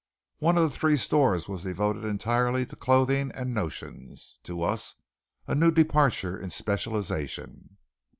One of the three stores was devoted entirely to clothing and "notions," to us a new departure in specialization.